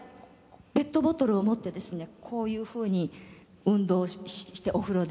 ペットボトルを持ってですねこういうふうに運動をしてお風呂で。